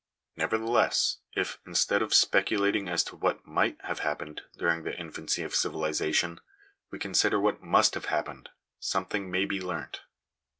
Nevertheless, if, instead of speculating as to what might have happened during the infancy of civilization, we consider what must have happened, something may be learnt.